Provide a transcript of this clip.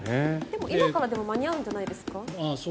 今からでも間に合うんじゃないですか？